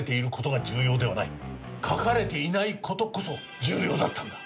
書かれていない事こそ重要だったんだ。